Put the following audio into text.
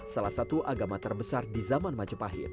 salah satu agama terbesar di zaman majapahit